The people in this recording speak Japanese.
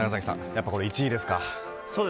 やっぱり１位ですか。